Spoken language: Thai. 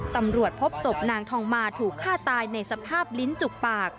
ตำรวจพบศพนางทองมาถูกฆ่าตายในสภาพลิ้นจุกปาก